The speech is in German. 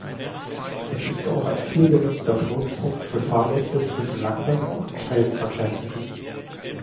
Es ist auch ein viel genutzter Knotenpunkt für Fahrgäste zwischen langsamen und schnellen Verkehrsmitteln.